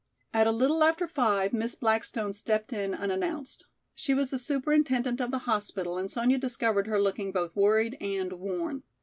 At a little after five, Miss Blackstone stepped in unannounced. She was the superintendent of the hospital and Sonya discovered her looking both worried and worn.